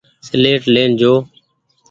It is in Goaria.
سيليٽ لين جو ۔